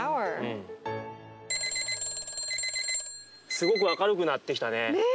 すごく明るくなってきたね。